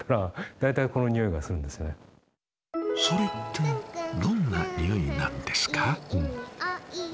それってどんな匂いなんですか？